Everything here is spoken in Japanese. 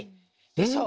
でしょう？